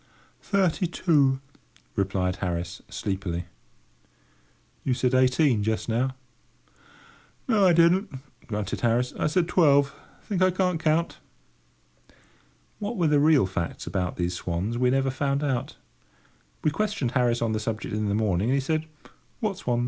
"Thirty two," replied Harris, sleepily. "You said eighteen just now," said George. "No, I didn't," grunted Harris; "I said twelve. Think I can't count?" What were the real facts about these swans we never found out. We questioned Harris on the subject in the morning, and he said, "What swans?"